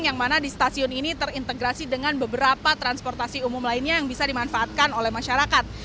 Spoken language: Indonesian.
yang mana di stasiun ini terintegrasi dengan beberapa transportasi umum lainnya yang bisa dimanfaatkan oleh masyarakat